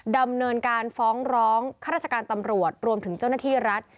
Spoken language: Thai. ดำเนินการฟ้องร้องข้าราชการตำรวจรวมถึงเจ้าหน้าที่รัฐ